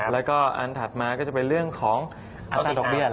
แล้วก็อันถัดมาก็จะเป็นเรื่องของอัตราดอกเบี้ย